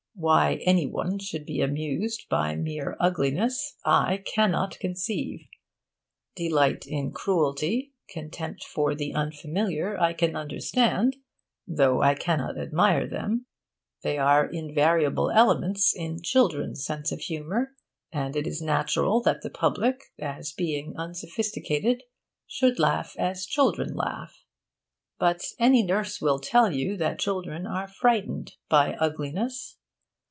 Why any one should be amused by mere ugliness I cannot conceive. Delight in cruelty, contempt for the unfamiliar, I can understand, though I cannot admire them. They are invariable elements in children's sense of humour, and it is natural that the public, as being unsophisticated, should laugh as children laugh. But any nurse will tell you that children are frightened by ugliness.